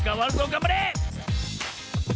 がんばれ！